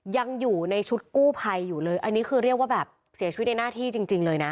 ยังอยู่ในชุดกู้ภัยอยู่เลยอันนี้คือเรียกว่าแบบเสียชีวิตในหน้าที่จริงเลยนะ